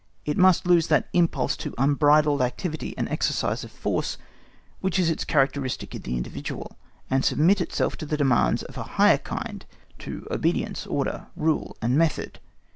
It must lose that impulse to unbridled activity and exercise of force which is its characteristic in the individual, and submit itself to demands of a higher kind, to obedience, order, rule, and method.